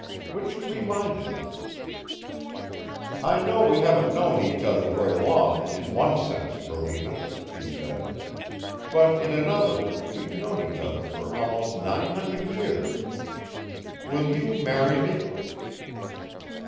Which reminded him: "I know we haven't known each other very long in one sense, Rowena," he said, "but in another, we've known each other for almost nine hundred years. Will you marry me?"